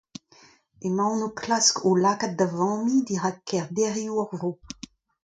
Emaon o klask o lakaat da vamiñ dirak kaerderioù hor vro.